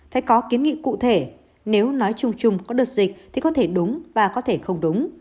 phải có kiến nghị cụ thể nếu nói chung chung có đợt dịch thì có thể đúng và có thể không đúng